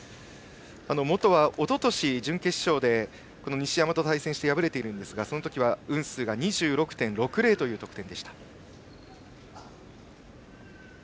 本は、おととし準決勝で西山と対戦して敗れていますが、その時はウンスーが２６．６０という得点。